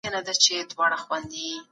پاچاهانو ته چاپلوسی مه کوئ.